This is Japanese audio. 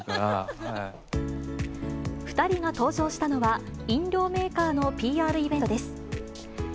２人が登場したのは、飲料メーカーのＰＲイベントです。